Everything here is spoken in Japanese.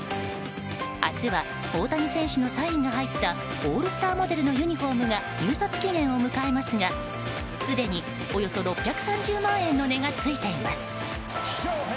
明日は大谷選手のサインが入ったオールスターモデルのユニホームが入札期限を迎えますがすでにおよそ６３０万円の値がついています。